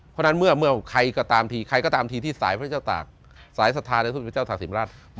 เพราะฉะนั้นเมื่อใครก็ตามทีใครก็ตามทีที่สายพระเจ้าตากสายศรัทธาในสมเด็จพระเจ้าตากศิลปราช